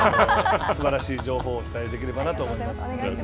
すばらしい情報をお伝えできればなと思います。